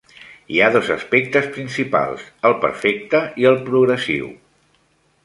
Hi ha dos aspectes principals: el perfecte i el progressiu.